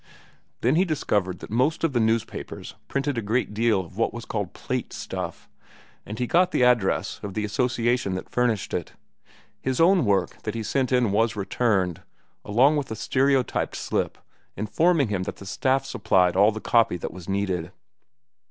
Then he discovered that most of the newspapers printed a great deal of what was called "plate" stuff, and he got the address of the association that furnished it. His own work that he sent in was returned, along with a stereotyped slip informing him that the staff supplied all the copy that was needed.